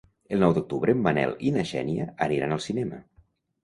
El nou d'octubre en Manel i na Xènia aniran al cinema.